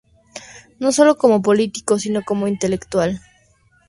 No solo como político, sino como intelectual.